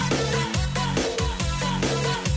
โปรดติดตามตอนต่อไป